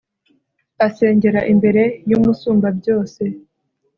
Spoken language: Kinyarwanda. asengera imbere y'umusumbabyose